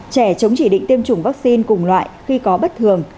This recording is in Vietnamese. trẻ chống chỉ định tiêm chủng vắc xin cùng loại khi có bất thường